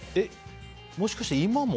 もしかして、今も？